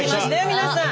皆さん。